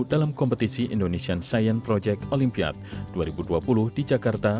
dalam kompetisi indonesian science project olympiad dua ribu dua puluh di jakarta